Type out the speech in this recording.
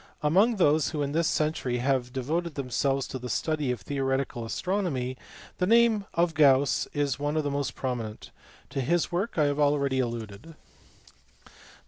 Among those who in this century have devoted themselves to the study of theoreti cal astronomy the name of Gauss is one of the most prominent; to his work I have already alluded.